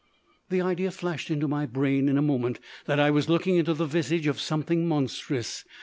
The idea flashed into my brain in a moment that I was looking into the visage of something monstrous.